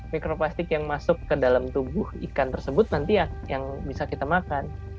mikroplastik yang masuk ke dalam tubuh ikan tersebut nanti yang bisa kita makan